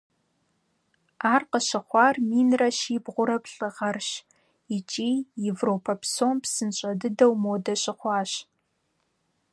Ар къыщыхъуар минрэ щибгъурэ плӏы гъэрщ икӀи Европэ псом псынщӀэ дыдэу модэ щыхъуащ.